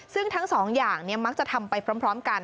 ซึ่งทั้งสองอย่างมักจะทำไปพร้อมกัน